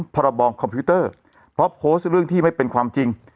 พรบคอมพิวเตอร์เพราะโพสต์เรื่องที่ไม่เป็นความจริง